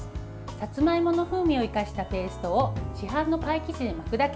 さつまいもの風味を生かしたペーストを市販のパイ生地で巻くだけ。